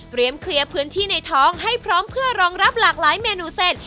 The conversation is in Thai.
เคลียร์พื้นที่ในท้องให้พร้อมเพื่อรองรับหลากหลายเมนูเส้น